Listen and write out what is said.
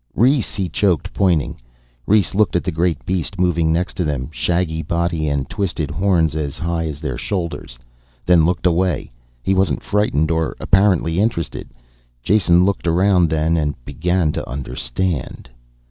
"Rhes " he choked, pointing. Rhes looked at the great beast moving next to them, shaggy body and twisted horns as high as their shoulders, then looked away. He wasn't frightened or apparently interested. Jason looked around then and began to understand.